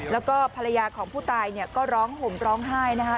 แล้วก็ภรรยาของผู้ตายเนี่ยก็ร้องห่มร้องไห้นะคะ